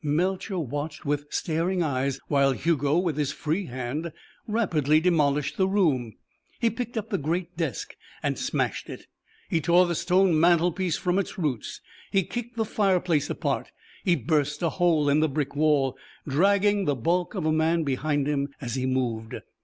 Melcher watched with staring eyes while Hugo, with his free hand, rapidly demolished the room. He picked up the great desk and smashed it, he tore the stone mantelpiece from its roots; he kicked the fireplace apart; he burst a hole in the brick wall dragging the bulk of a man behind him as he moved.